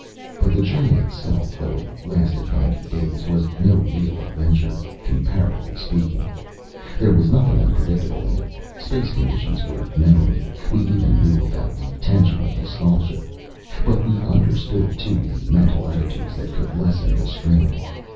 But the journey itself, though it lasted ninety days, was no real adventure comparatively speaking. There was nothing unpredictable in it. Space conditions were known. We even knew about the tension of nostalgia. But we understood, too, the mental attitudes that could lessen the strain.